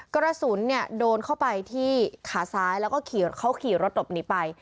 กระสุนเนี่ยโดนเข้าไปที่ขาซ้ายแล้วก็เขาขี่รถหลบหนีไป